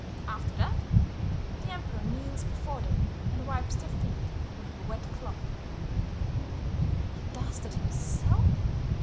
After that, the Emperor kneels before them and wipes their feet with a wet cloth." "He does that himself?"